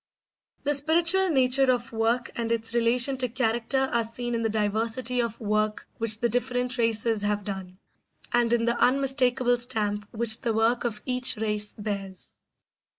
The spiritual nature of work and its relation to character are seen in the diversity of work which the different races have done, and in the unmistakable stamp which the work of each race bears.